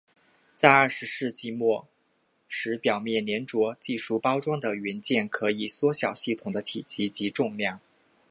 在二十世纪末时表面黏着技术包装的元件可以缩小系统的体积及重量。